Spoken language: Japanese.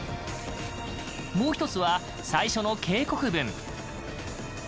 もう一つは最初の警告文。